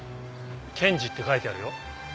「賢治」って書いてあるよ。